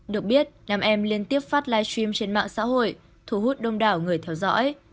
cô biết nam em liên tiếp phát livestream trên mạng xã hội thú hút đông đảo người theo dõi